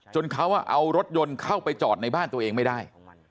เขาเอารถยนต์เข้าไปจอดในบ้านตัวเองไม่ได้